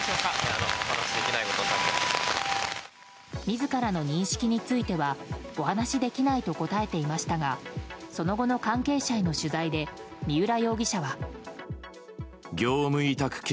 自らの認識についてはお話しできないと答えていましたがその後の関係者への取材で三浦容疑者は。